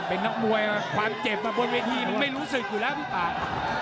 เป็นนักมวยความเจ็บมาบนเวทีมันไม่รู้สึกอยู่แล้วพี่ป่า